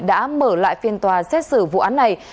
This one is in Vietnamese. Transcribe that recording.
đã mở lại phiên tòa xét xử vụ án này